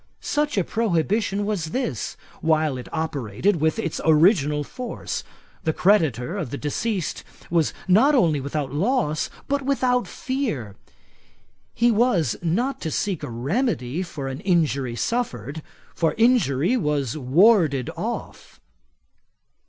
Such a prohibition was this, while it operated with its original force. The creditor of the deceased was not only without loss, but without fear. He was not to seek a remedy for an injury suffered; for, injury was warded off.